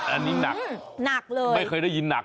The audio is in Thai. อันนี้หนักไม่เคยได้ยินหนักเลย